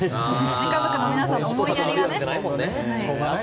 家族の皆さんの思いやりがね。